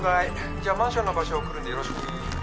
じゃあマンションの場所送るんでよろしく。